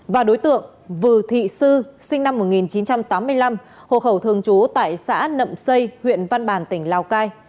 và đối tượng là vư thị sư sinh năm một nghìn chín trăm tám mươi năm hộ khẩu thường chú tại xã nậm xây huyện văn bản tỉnh lào cai